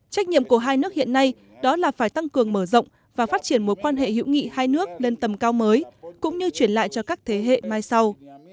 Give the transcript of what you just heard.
trách nhiệm của hai nước hiện nay đó là phải tăng cường mở rộng và phát triển mối quan hệ hữu nghị hai nước lên tầm cao mới cũng như chuyển lại cho các thế hệ mai sau